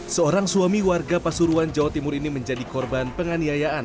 seorang suami warga pasuruan jawa timur ini menjadi korban penganiayaan